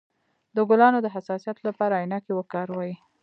د ګلانو د حساسیت لپاره عینکې وکاروئ